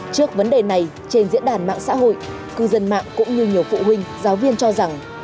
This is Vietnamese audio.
trước vấn đề này trên diễn đàn mạng xã hội cư dân mạng cũng như nhiều phụ huynh giáo viên cho rằng